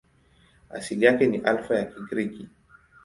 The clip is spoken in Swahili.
Asili yake ni Alfa ya Kigiriki.